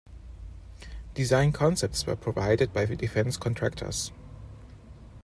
Design concepts were provided by defense contractors.